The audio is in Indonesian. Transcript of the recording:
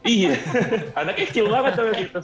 iya anaknya kecil banget